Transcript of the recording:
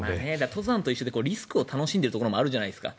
登山と一緒でリスクを楽しんでいるところもあるじゃないですか。